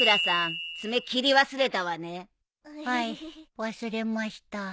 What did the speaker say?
はい忘れました。